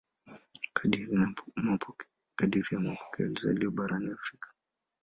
Kadiri ya mapokeo alizaliwa barani Afrika.